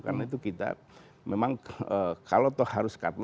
karena itu kita memang kalau tuh harus cut loss cut lossnya harus jauh